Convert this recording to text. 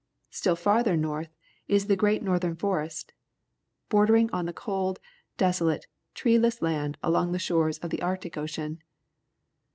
StUl farther north is the great northern forest, bordering on the cold, desolate, treeless land along the shores of the Arctic Ocean.